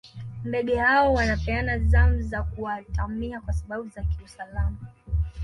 ndege hao wanapeana zamu za kuatamia kwa sababu za kiusalama